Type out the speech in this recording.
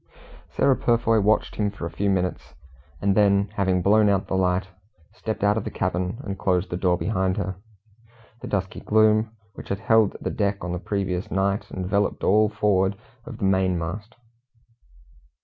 Sarah Purfoy watched him for a few minutes, and then having blown out the light, stepped out of the cabin, and closed the door behind her. The dusky gloom which had held the deck on the previous night enveloped all forward of the main mast.